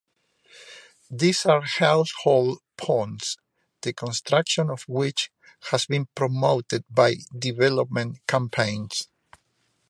These are household ponds the construction of which has been promoted by development campaigns.